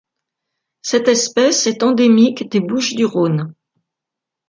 Cette espèce est endémique des Bouches-du-Rhône.